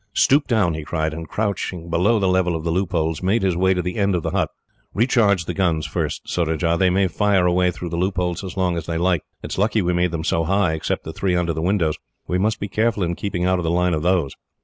"Stoop down," he cried, and, crouching below the level of the loopholes, made his way to the end of the hut. "Recharge the guns first, Surajah. They may fire away through the loopholes as long as they like. It is lucky we made them so high, except the three under the windows. We must be careful in keeping out of the line of those.